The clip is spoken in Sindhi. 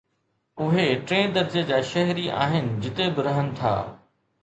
اهي ٽئين درجي جا شهري آهن جتي به رهن ٿا